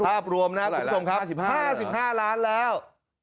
ภาพรวม๕๕ล้านแล้ว